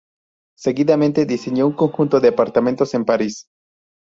Seguidamente diseñó un conjunto de apartamentos en París.